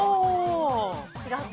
◆違うか。